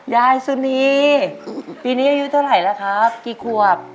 ยายสุนีปีนี้อายุเท่าไหร่แล้วครับกี่ขวบ